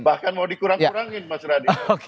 bahkan mau dikurang kurangin mas radio